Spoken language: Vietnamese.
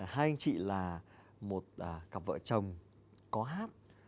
hai anh chị là một cặp vợ chồng có hát